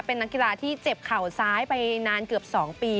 เป็นนักกีฬาที่เจ็บเข่าซ้ายไปนานเกือบ๒ปี